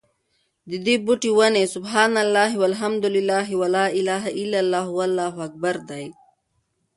ددي بوټي، وني: سُبْحَانَ اللهِ وَالْحَمْدُ للهِ وَلَا إِلَهَ إلَّا اللهُ وَاللهُ أكْبَرُ دي